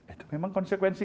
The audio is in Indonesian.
itu memang konsekuensi